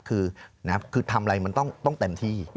คือทำอะไรมันต้องเต็มที่